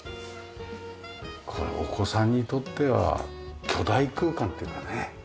これお子さんにとっては巨大空間っていうのはね。